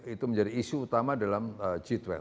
itu menjadi isu utamanya